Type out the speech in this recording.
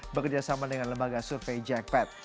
bekerjasama dengan lembaga survei jackpad